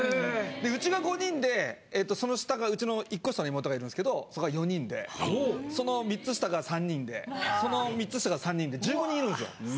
でうちが５人でその下がうちの１個下の妹がいるんですけどそこが４人でその３つ下が３人でその３つ下が３人で１５人いるんですよ。